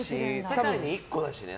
世界に１個だしね。